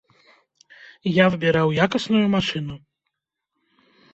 Я выбіраў якасную машыну.